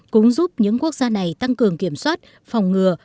cũng giúp những quốc gia này tăng cường kiểm soát phòng ngừa